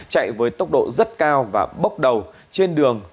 chạy với tốc độ rất cao và bốc đầu trên đường